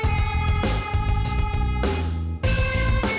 masa gue sendiri